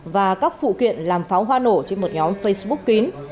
và các phụ kiện làm pháo hoa nổ trên một nhóm facebook kín